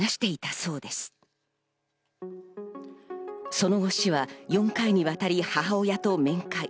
その後、市は４回にわたり母親と面会。